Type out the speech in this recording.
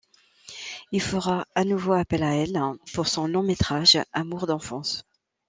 Il fera à nouveau appel à elle pour son long métrage Amour d'enfance.